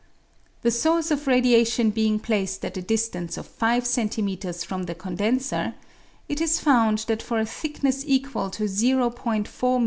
The source of radiation being placed at a distance of 5 cm. from the condenser, it is found that for a thickness equal to 0 4 m.m.